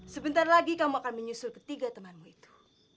sebentar lagi kamu akan menyusul ketiga temanmu itu